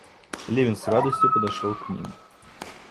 Левин с радостью подошел к ним.